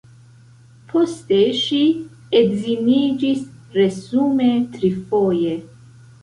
Poste ŝi edziniĝis, resume trifoje.